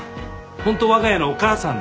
ホントわが家のお母さんだな。